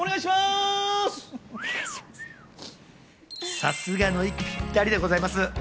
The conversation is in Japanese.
さすがの息ぴったりでございます。